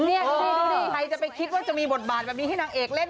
นี่ใครจะไปคิดว่าจะมีบทบาทแบบนี้ให้นางเอกเล่น